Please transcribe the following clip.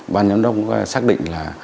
ban giám đốc xác định là